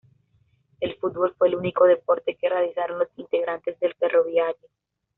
El fútbol fue el único deporte que realizaron los integrantes del ferroviario.